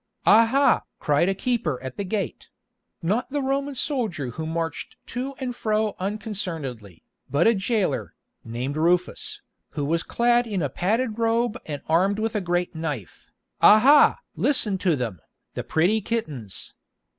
"Aha!" cried a keeper at the gate—not the Roman soldier who marched to and fro unconcernedly, but a jailor, named Rufus, who was clad in a padded robe and armed with a great knife. "Aha! listen to them, the pretty kittens.